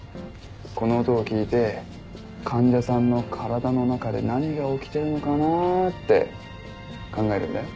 この音を聞いて患者さんの体の中で何が起きてるのかなって考えるんだよ。